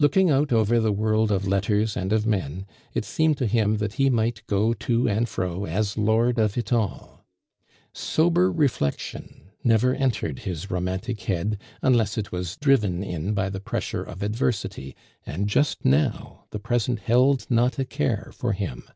Looking out over the world of letters and of men, it seemed to him that he might go to and fro as lord of it all. Sober reflection never entered his romantic head unless it was driven in by the pressure of adversity, and just now the present held not a care for him.